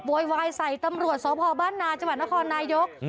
โวยวายใส่ตำรวจสพบ้านนาจังหวัดนครนายก